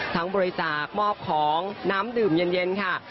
บริจาคมอบของน้ำดื่มเย็นค่ะ